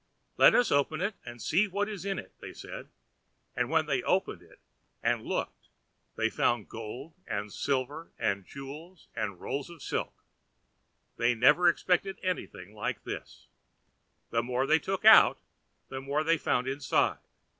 "Let us open and see what is in it," they said. And when they had opened it and looked, they found gold and silver and jewels and rolls of silk. They never expected anything like this. The more they took out, the more they found inside.